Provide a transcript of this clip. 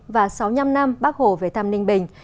và sáu mươi năm năm bác hồ về thăm ninh bình